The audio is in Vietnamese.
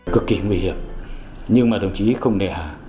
cực kỳ nguy hiểm nhưng mà đồng chí không nề hà